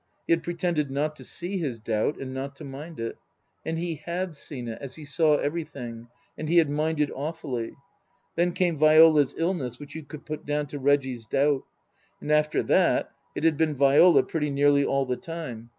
He had pretended not to see his doubt and not to mind it. And he had seen it, as he saw everything, and he had minded awfully. Then came Viola's illness, which you could put down to Reggie's doubt. And after that it had been Viola pretty nearly all the time.